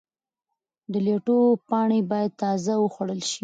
د لیټو پاڼې باید تازه وخوړل شي.